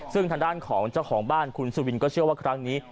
ซึ่งทางด้านของเจ้าของบ้านคุณสุวินก็เชื่อว่าครั้งนี้